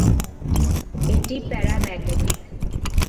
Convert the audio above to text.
এটি প্যারামেগনেটিক।